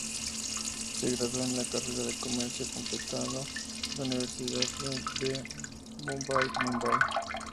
Se graduó en la carrera de comercio, completando en la Universidad de Mumbai, Mumbai.